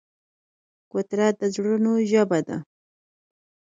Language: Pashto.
کوتره د زړونو ژبه ده.